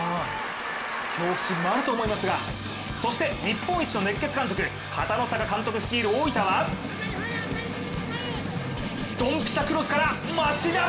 恐怖心もあると思いますが、そして日本一の熱血監督、片野坂監督率いる大分は、ドンピシャクロスから、町田！